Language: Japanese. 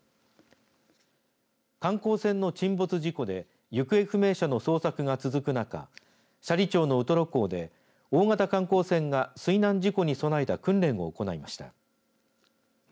観光船の沈没事故で行方不明者の捜索が続く中、斜里町のウトロ港で大型観光船が水難事故に備えた訓練を行いました。